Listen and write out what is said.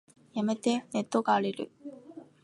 やめて、ネットが荒れる。